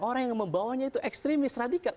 orang yang membawanya itu ekstremis radikal